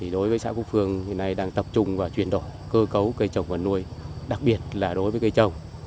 đối với xã cốc phương hiện nay đang tập trung và chuyển đổi cơ cấu cây trồng và nuôi đặc biệt là đối với cây trồng